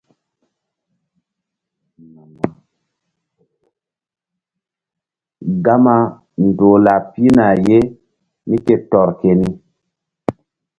Gama ndoh lah pihna ye mí ke tɔr keni.